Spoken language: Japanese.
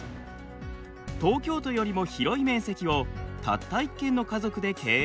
東京都よりも広い面積をたった１軒の家族で経営しています。